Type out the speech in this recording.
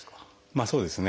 まあそうですね。